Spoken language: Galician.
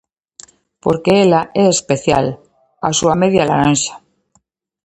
Porque ela é especial, a súa media laranxa.